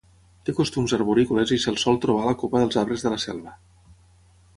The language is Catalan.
Té costums arborícoles i se'l sol trobar a la copa dels arbres de la selva.